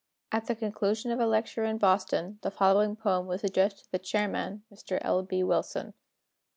[At the conclusion of a lecture in Boston, the following poem was addressed to the chairman (Mr. L. B. Wilson).